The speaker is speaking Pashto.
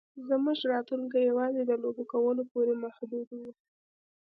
زموږ راتلونکی یوازې د لوبو کولو پورې محدود و